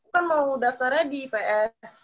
kan mau daftarnya di ips